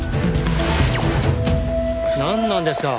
なんなんですか？